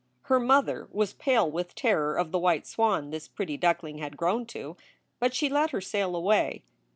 Her mother was pale with terror of the white swan this pretty duckling had grown to, but she let her sail away.